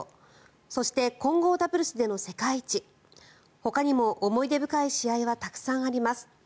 そして、混合ダブルスでの世界一ほかにも思い出深い試合はたくさんあります。